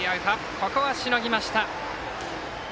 ここはしのぎました。